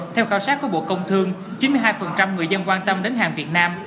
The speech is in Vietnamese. theo khảo sát của bộ công thương chín mươi hai người dân quan tâm đến hàng việt nam